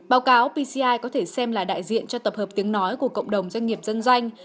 báo cáo pci có thể xem là đại diện cho tập hợp tiếng nói của cộng đồng doanh nghiệp dân doanh